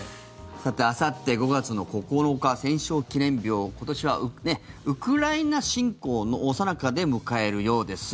さて、あさって５月の９日戦勝記念日を今年はウクライナ侵攻のさなかで迎えるようです。